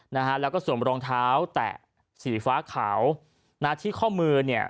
นะฮะแล้วก็สวมรองเท้าแตะสีฟ้าขาวนะที่ข้อมือเนี่ย